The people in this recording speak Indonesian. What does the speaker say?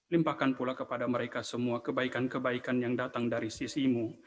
limpahkan pula kepada mereka semua kebaikan kebaikan yang datang dari sisimu